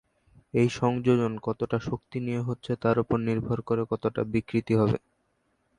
এই সংযোজন কতটা শক্তি নিয়ে হচ্ছে তার ওপর নির্ভর করে কতটা বিকৃতি হবে।